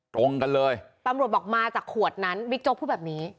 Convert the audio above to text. ตรงกันเลยตำรวจบอกมาจากขวดนั้นบิ๊กโจ๊กพูดแบบนี้